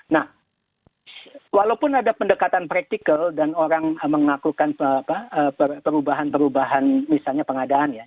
nah walaupun ada pendekatan praktikal dan orang mengakukan perubahan perubahan misalnya pengadaan ya